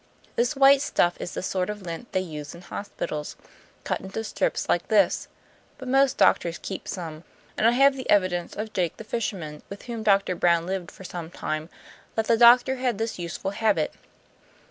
This white stuff is the sort of lint they use in hospitals, cut into strips like this. But most doctors keep some; and I have the evidence of Jake the fisherman, with whom Doctor Brown lived for some time, that the doctor had this useful habit.